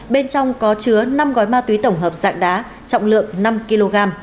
bên trong có chứa năm gói ma túy tổng hợp dạng đá trọng lượng năm kg